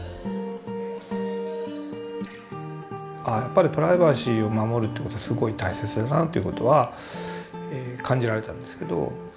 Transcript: やっぱりプライバシーを守るってことはすごい大切だなということは感じられたんですけど。